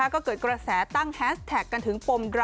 ก็เกิดกระแสตั้งแฮสแท็กกันถึง